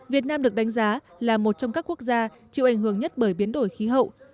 việt nam được đánh giá là một trong các quốc gia chịu ảnh hưởng nhất bởi biến đổi khí hậu